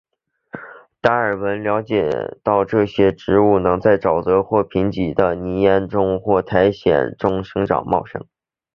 达尔文了解到这些植物能在沼泽或贫瘠的泥炭土或苔藓中生长茂盛。